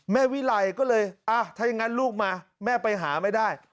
วิไลก็เลยถ้าอย่างนั้นลูกมาแม่ไปหาไม่ได้